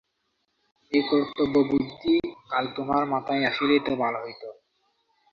এ কর্তব্যবুদ্ধি কাল তোমার মাথায় আসিলেই তো ভালো হইত।